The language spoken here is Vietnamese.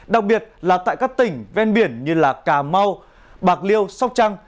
đặc biệt là tại các tỉnh ven biển như cà mau bạc liêu sóc trăng